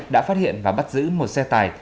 đã phát hiện và bắt giữ một xe tải